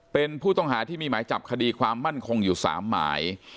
เป็นผู้ต้องหาที่มีหมายจับคดีความมั่นคงอยู่๓หมาย